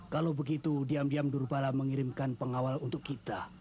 kalau begitu diam diam durpala mengirimkan pengawal untuk kita